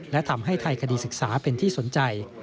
และทำให้ไทยคดีศึกษาเป็นที่สนใจ